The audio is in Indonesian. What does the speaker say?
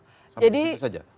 sampai disitu saja